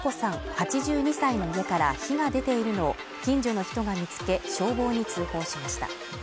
８２歳の家から火が出ているのを近所の人が見つけ消防に通報しました。